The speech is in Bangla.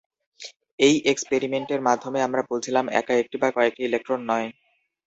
এই এক্সপেরিমেন্টের মাধ্যমে আমরা বুঝলাম একা একটি বা কয়েকটি ইলেক্ট্রন নয়।